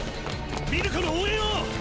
ミルコの応援を！！